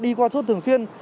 đi qua chốt thường xuyên